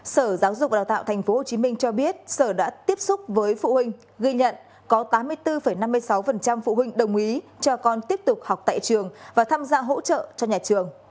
sở giáo dục đào tạo tp hcm cho biết sở đã tiếp xúc với phụ huynh ghi nhận có tám mươi bốn năm mươi sáu phụ huynh đồng ý cho con tiếp tục học tại trường và tham gia hỗ trợ cho nhà trường